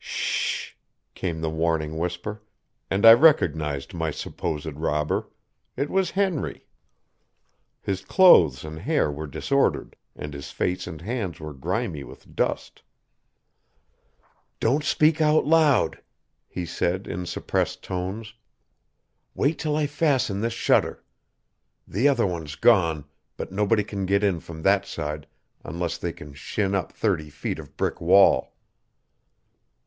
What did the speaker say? "S h h!" came the warning whisper, and I recognized my supposed robber. It was Henry. His clothes and hair were disordered, and his face and hands were grimy with dust. "Don't speak out loud," he said in suppressed tones. "Wait till I fasten this shutter. The other one's gone, but nobody can get in from that side unless they can shin up thirty feet of brick wall."